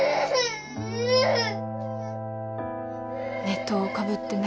えっ？